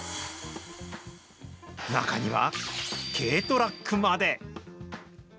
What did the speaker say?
中には軽トラックまで。